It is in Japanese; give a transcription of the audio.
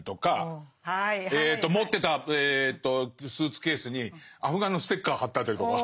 持ってたスーツケースにアフガンのステッカー貼ってあったりとか。